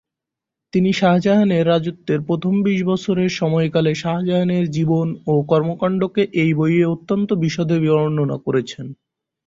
তিনি শাহজাহানের রাজত্বের প্রথম বিশ বছরের সময়কালে শাহজাহানের জীবন ও কর্মকাণ্ডকে এই বইয়ে অত্যন্ত বিশদে বর্ণনা করেছেন।